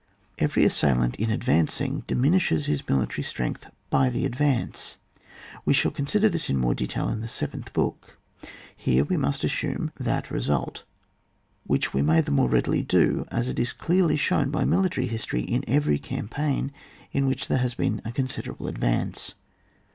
Every assailant in advancing dimin ishes his military strength by the advance ; we shall consider this more in detail in the seventh book ; here we must assume that result which we may the more readily do as it is clearly shown by mili tary history in every campaign in which there has been a considerable advance.